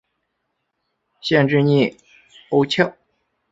县治尼欧肖。